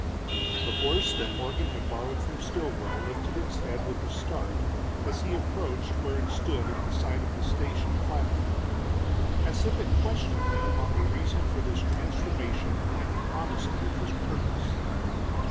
The horse that Morgan had borrowed from Stilwell lifted its head with a start as he approached where it stood at the side of the station platform, as if it questioned him on the reason for this transformation and the honesty of his purpose.